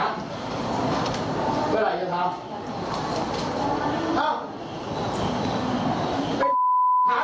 ไม่มีเวลา